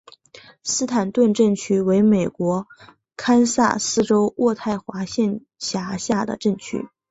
斯坦顿镇区为美国堪萨斯州渥太华县辖下的镇区。